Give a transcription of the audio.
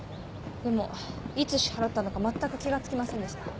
でもいつ支払ったのかまったく気が付きませんでした。